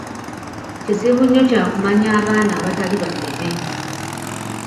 Kizibu nnyo kya kumanya abaana abatali bageme.